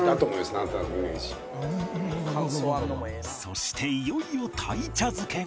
そしていよいよ鯛茶漬けが